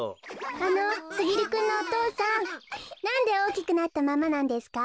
あのすぎるくんのお父さんなんでおおきくなったままなんですか？